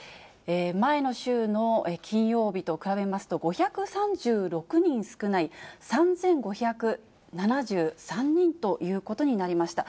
前の週の金曜日と比べますと、５３６人少ない、３５７３人ということになりました。